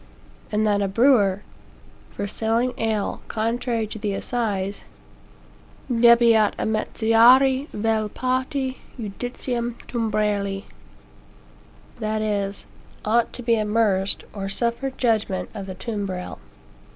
And that a brewer, for "selling ale, contrary to the assize," "debeat amerciari, vel pati judicium tumbrelli;" that is, "ought to be amerced, or suffer judgment of the tumbrel."